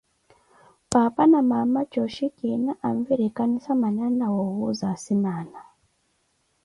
Apaapa na amaana cooxhi kiina anvirikanisa mananna woowuza asimaana.